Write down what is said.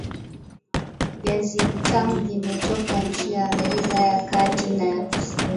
viazi vitam vimetoka nchi ya Amerika ya Kati na ya Kusini